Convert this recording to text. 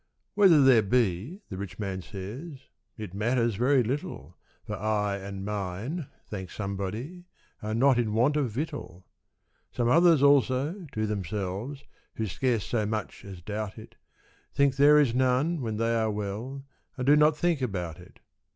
"Whether there be," the rich man says, "It matters very little, For I and mine, thank somebody, Are not in want of victual." Some others, also, to themselves, Who scarce so much as doubt it, Think there is none, when they are well, And do not think about it.